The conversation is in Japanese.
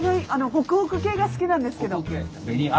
ホクホク系が好きなんですけど。